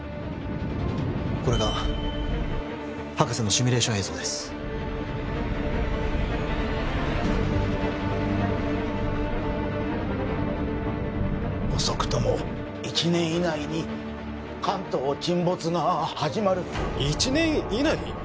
これが博士のシミュレーション映像です遅くとも１年以内に関東沈没が始まる１年以内！？